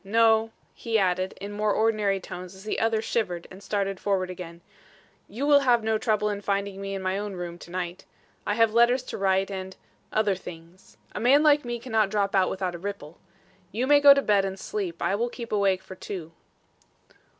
No," he added, in more ordinary tones as the other shivered and again started forward, "you will have no trouble in finding me in my own room to night. I have letters to write and other things. A man like me cannot drop out without a ripple. You may go to bed and sleep. I will keep awake for two."